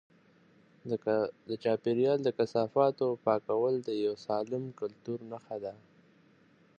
د چاپیریال د کثافاتو پاکول د یو سالم کلتور نښه ده.